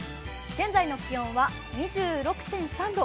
現在の気温は２６．３度。